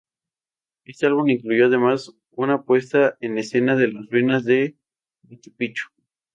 Este álbum incluyó además una puesta en escena en las ruinas de Machu Picchu.